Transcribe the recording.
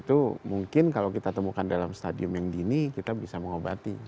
itu mungkin kalau kita temukan dalam stadium yang dini kita bisa mengobati